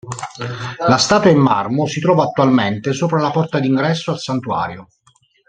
La statua, in marmo, si trova attualmente sopra la porta d'ingresso al santuario.